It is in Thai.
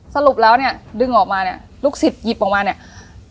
สรุปแล้วเนี่ยดึงออกมาเนี่ยลูกศิษย์หยิบออกมาเนี่ย